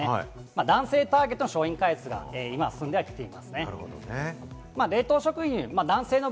男性ターゲットの商品開発が進んできています。